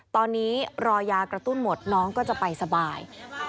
ตอนนี้รอยากระตุ้นหมดน้องก็จะไปสบาย